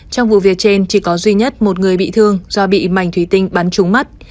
trong vụ việc trên chỉ có duy nhất một người bị thương do bị mảnh thúy tinh bắn trúng mắt